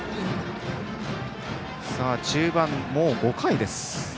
中盤、もう５回です。